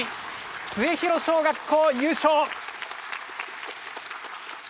末広小学校優勝。